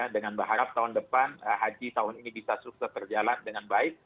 dengan berharap tahun depan haji tahun ini bisa sukses terjalan dengan baik